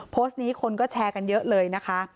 โพสต์นี้คนก็แชร์กันเยอะเลยนะคะ